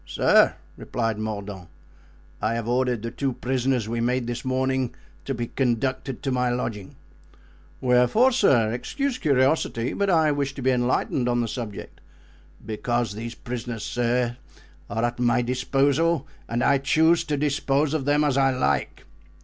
"Sir," replied Mordaunt, "I have ordered the two prisoners we made this morning to be conducted to my lodging." "Wherefore, sir? Excuse curiosity, but I wish to be enlightened on the subject." "Because these prisoners, sir, are at my disposal and I choose to dispose of them as I like."